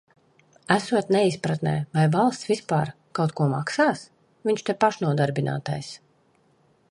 Esot neizpratnē, vai valsts vispār kaut ko maksās? Viņš te pašnodarbinātais.